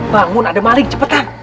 bangun ada maling cepetan